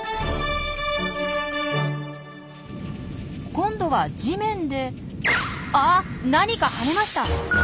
今度は地面であっ何か跳ねました！